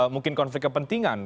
mungkin konflik kepentingan